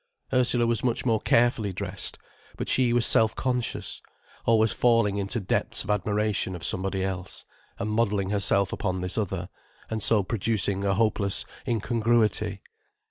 Ursula was much more carefully dressed, but she was self conscious, always falling into depths of admiration of somebody else, and modelling herself upon this other, and so producing a hopeless incongruity.